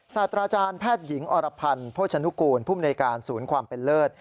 ศาสตราจารย์แพทย์หญิงอรพันธ์โภชนุกูลภูมิในการศูนย์ความเป็นเลิศ